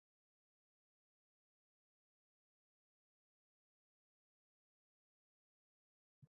விளையாடிப் பழகும்பொழுது, இந்த அரிய திறனை மனதில் நன்கு பயிரிட்டுக் கொண்டு, அடிக்கடி பயிற்சி செய்து வளர்த்துக்கொள்ள வேண்டும்.